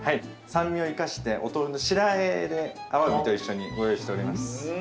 酸味を生かしてお豆腐の白和えで鮑と一緒にご用意しております。